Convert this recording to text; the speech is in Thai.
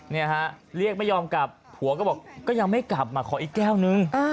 เนี่ยฮะเรียกไม่ยอมกลับผัวก็บอกก็ยังไม่กลับมาขออีกแก้วนึง